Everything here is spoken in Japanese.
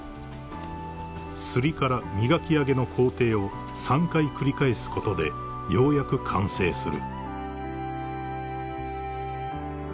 ［摺りから磨き上げの工程を３回繰り返すことでようやく完成する］